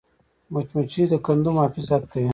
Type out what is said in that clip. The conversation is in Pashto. مچمچۍ د کندو محافظت کوي